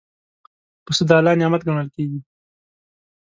پسه د الله نعمت ګڼل کېږي.